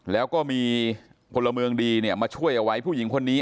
แล้วก็มีพลเมืองดีเนี่ยมาช่วยเอาไว้ผู้หญิงคนนี้